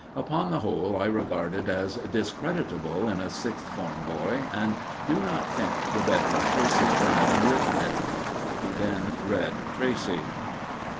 Upon the whole, I regard it as discreditable in a Sixth Form boy, and do not think the better of Tracey for having written it." He then read Tracey.